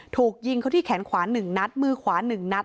ถูกยิงเขาที่แขนขวา๑นัดมือขวา๑นัด